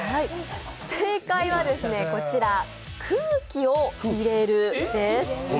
正解はこちら、空気を入れるです。